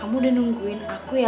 kamu udah nungguin aku ya